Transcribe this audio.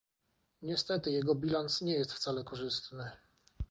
Niestety, jego bilans nie jest wcale korzystny